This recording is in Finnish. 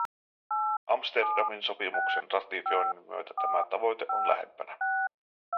Amsterdamin sopimuksen ratifioinnin myötä tämä tavoite on lähempänä.